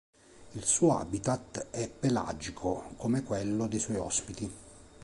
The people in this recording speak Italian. Il suo habitat è pelagico come quello dei suoi ospiti.